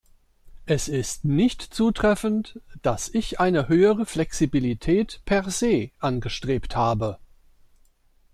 Es ist nicht zutreffend, dass ich eine höhere Flexibilität per se angestrebt habe.